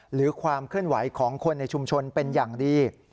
หรือความเคลื่อนไหวของคนในชุมชนเป็นอย่างดี